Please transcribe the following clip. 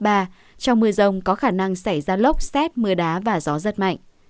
trong mưa rồng có khả năng xảy ra lốc xét mưa đá và gió rất mạnh